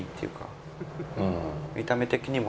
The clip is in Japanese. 見た目的にも。